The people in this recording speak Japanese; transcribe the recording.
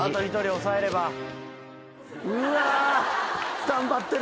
スタンバってる。